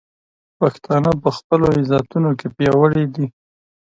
پښتانه په خپلو عزتونو کې پیاوړي دي.